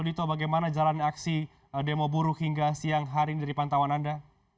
dito bagaimana jalan aksi demo buruk hingga siang hari ini dari pantauan anda